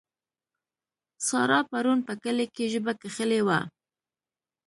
سارا پرون په کلي کې ژبه کښلې وه.